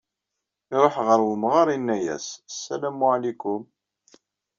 Iruḥ ɣer umɣar, yenna-as: "Salam waɛlikum».